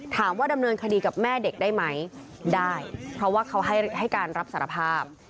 ดำเนินคดีกับแม่เด็กได้ไหมได้เพราะว่าเขาให้การรับสารภาพ